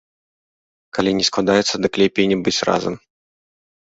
Калі не складаецца, дык лепей не быць разам.